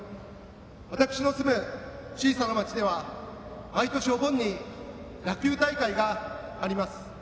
私の住む小さな町では毎年お盆に野球大会があります。